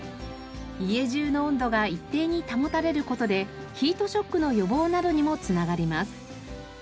家中の温度が一定に保たれる事でヒートショックの予防などにも繋がります。